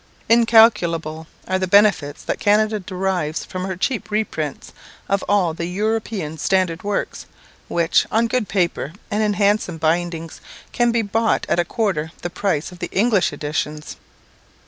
Incalculable are the benefits that Canada derives from her cheap reprints of all the European standard works, which, on good paper and in handsome bindings, can be bought at a quarter the price of the English editions.